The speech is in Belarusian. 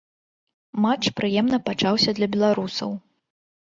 Матч прыемна пачаўся для беларусаў.